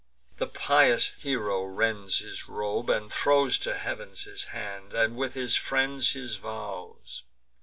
The pious hero rends his robe, and throws To heav'n his hands, and with his hands his vows.